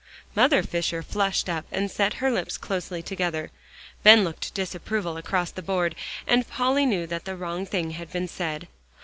Mother Fisher flushed up, and set her lips closely together. Ben looked disapproval across the board, and Polly knew that the wrong thing had been said.